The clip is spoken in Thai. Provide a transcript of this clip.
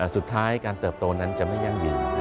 สุดท้ายการเติบโตนั้นจะไม่ยั่งยืน